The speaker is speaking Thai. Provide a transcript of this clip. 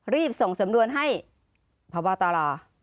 รีบส่งสำนวนให้พบตร